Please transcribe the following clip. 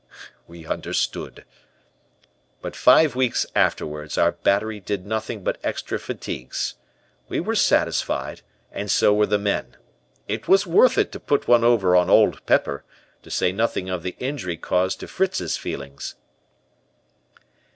"We understood. "But five weeks afterwards our battery did nothing but extra fatigues. We were satisfied and so were the men. It was worth it to put one over on Old Pepper, to say nothing of the injury caused to Fritz's feelings."